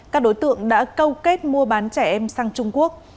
các đối tượng đã câu kết mua bán trẻ em sang trung quốc